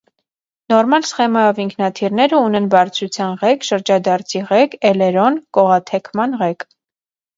Նորմալ սխեմայով ինքնաթիռները, ունեն բարձրության ղեկ, շրջադարձի ղեկ, էլերոն (կողաթեքման ղեկ)։